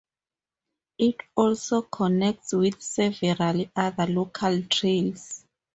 It also connects with several other local trails.